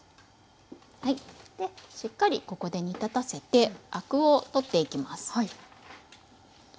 しっかりここで煮立たせてアクを取っていきます。